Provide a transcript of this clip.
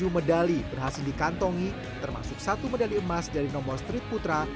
tujuh medali berhasil dikantongi termasuk satu medali emas dari nomor street putra